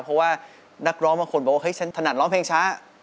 เพราะว่านักร้องบางคนบอกว่าเฮ้ฉันถนัดร้องเพลงช้า